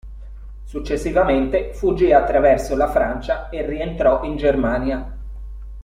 Successivamente fuggì attraverso la Francia e rientrò in Germania.